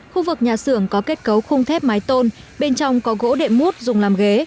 khu vực nhà xưởng có kết cấu khung thép mái tôn bên trong có gỗ đệm mút dùng làm ghế